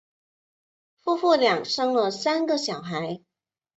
夫妇俩生了三个小孩。